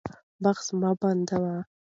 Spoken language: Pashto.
بحث مه بندوئ.